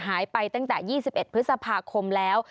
หายไปตั้งแต่๒๑พฤษภาคมแล้ว